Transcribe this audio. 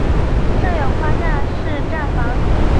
设有跨站式站房。